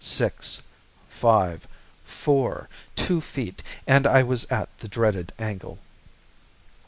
Six, five, four, two feet and I was at the dreaded angle.